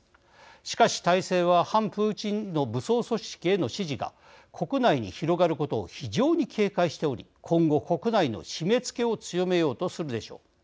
しかし、体制は反プーチンの武装組織への支持が国内に広がることを非常に警戒しており今後、国内の締めつけを強めようとするでしょう。